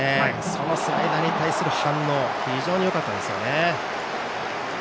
そのスライダーに対する反応非常によかったですね。